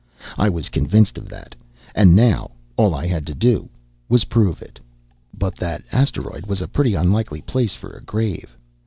I was convinced of that, and now all I had to do was prove it. But that asteroid was a pretty unlikely place for a grave.